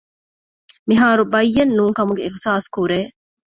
މިހާރު ބައްޔެއް ނޫންކަމުގެ އިޙްސާސްކުރޭ